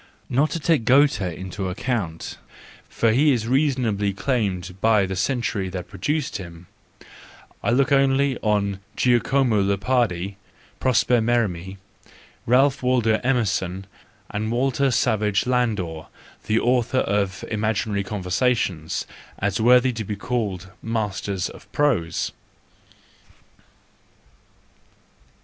Not to take Goethe into account, for he is reasonably claimed by the century that produced him, I look only on Giacomo Leopardi, Prosper M£rim4e, Ralph Waldo Emerson, and Walter Savage Landor, the author of Imaginary Conversations, as worthy to be called masters of prose.